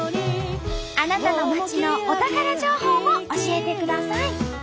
あなたの町のお宝情報も教えてください。